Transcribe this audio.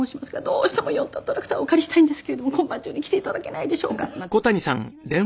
「どうしても４トントラクターをお借りしたいんですけれども今晩中に来て頂けないでしょうか」なんていきなり電話をしたら。